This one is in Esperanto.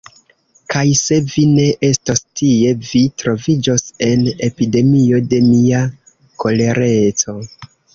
Kaj se vi ne estos tie, vi troviĝos en epidemio de mia kolereco.